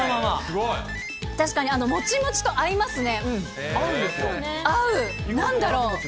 確かにもちもちと合いますね。